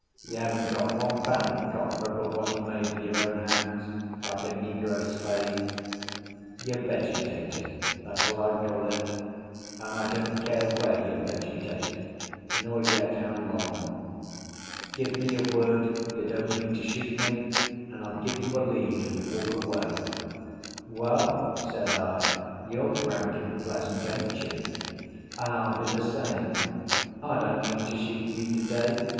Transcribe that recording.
You haven't got one pound of copra but what you made with your own hands, like a negro slave. You're vegetating—that's what I call it—and I don't care where you vegetate, nor yet how long. Give me your word you don't mean to shoot me, and I'll give you a lead and walk away." "Well," said I, "You're frank and pleasant, ain't you? And I'll be the same. I don't mean to shoot you to day.